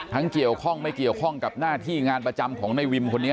เกี่ยวข้องไม่เกี่ยวข้องกับหน้าที่งานประจำของในวิมคนนี้